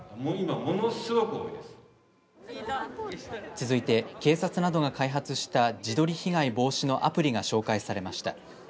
続いて警察などが開発した自撮り被害防止のアプリが紹介されました。